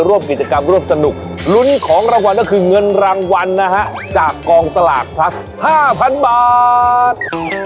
รุนของรางวัลก็คือเงินรางวัลนะฮะจากกองสลากพลักษณ์๕๐๐๐บาท